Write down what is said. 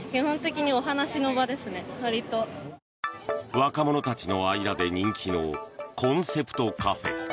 若者たちの間で人気のコンセプトカフェ。